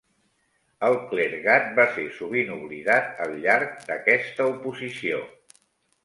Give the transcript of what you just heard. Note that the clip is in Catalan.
El clergat va ser sovint oblidat al llarg d'aquesta oposició.